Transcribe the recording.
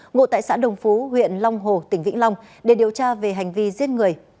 ngụ tại xã đồng phú huyện long hồ tỉnh vĩnh long để điều tra về hành vi giết người